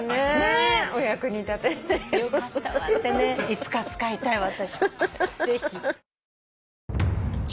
いつか使いたいわ。